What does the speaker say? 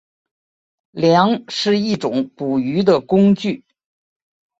梁是一种捕鱼的工具。